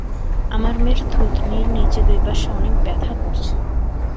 আমার মেয়ের থুতনির নিচে দুই পাশে অনেক ব্যথা করছে।